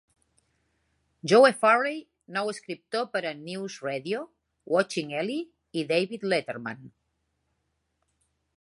Joe Furey fou escriptor per a "NewsRadio", "Watching Ellie" i David Letterman.